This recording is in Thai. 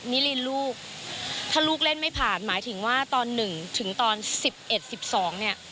นิรินลูกถ้าลูกเล่นไม่ผ่านหมายถึงว่าตอน๑ถึงตอน๑๑๑๒เนี่ย